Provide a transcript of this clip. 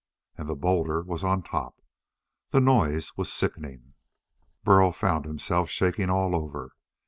And the boulder was on top. The noise was sickening. Burl found himself shaking all over.